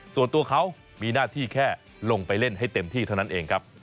ส่วนตัวเขามีหน้าที่แค่ลงไปเล่นให้เต็มที่เท่านั้นเองครับ